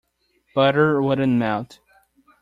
Butter wouldn't melt.